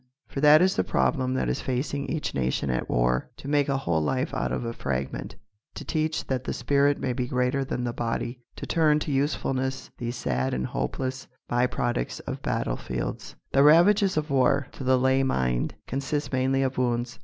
For that is the problem that is facing each nation at war to make a whole life out of a fragment, to teach that the spirit may be greater than the body, to turn to usefulness these sad and hopeless by products of battlefields. The ravages of war to the lay mind consist mainly of wounds.